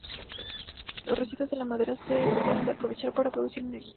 Los residuos de la madera se pueden aprovechar para producir energía.